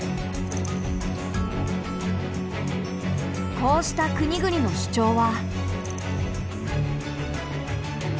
こうした国々の主張は。